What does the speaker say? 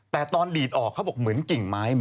แต่ตอนดีดออกเค้าบอกเหมือนกิ่งไม้